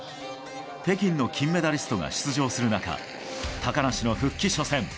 北京の金メダリストが出場する中高梨の復帰初戦。